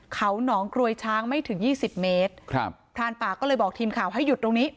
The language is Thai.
เขาหนองกรวยช้างไม่ถึงยี่สิบเมตรครับพรานป่าก็เลยบอกทีมข่าวให้หยุดตรงนี้